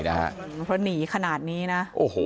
รถหนีขนาดนี้นะ